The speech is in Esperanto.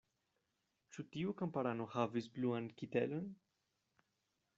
Ĉu tiu kamparano havis bluan kitelon?